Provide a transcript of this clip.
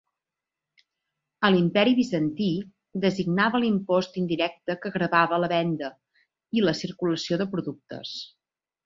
A l'imperi Bizantí designava l'impost indirecte que gravava la venda i la circulació de productes.